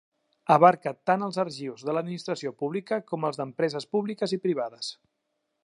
Abarca tant els arxius de l'administració pública com el d'empreses públiques i privades.